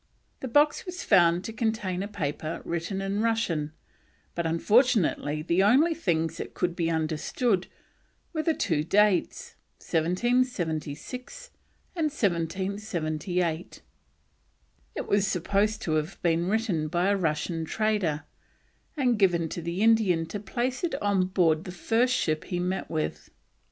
The box was found to contain a paper written in Russian, but unfortunately the only things that could be understood were the two dates, 1776 and 1778. It was supposed to have been written by a Russian trader, and given to the Indian to place it on board the first ship he met with.